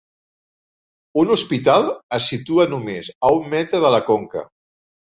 Un hospital es situa només a un metre de la conca.